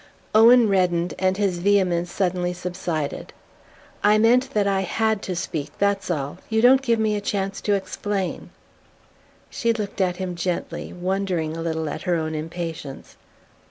Owen reddened and his vehemence suddenly subsided. "I meant that I HAD to speak that's all. You don't give me a chance to explain..." She looked at him gently, wondering a little at her own impatience.